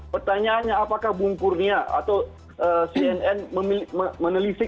pertanyaannya apakah bung kurnia atau cnn menelisik